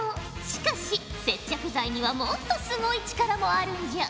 しかし接着剤にはもっとすごい力もあるんじゃ。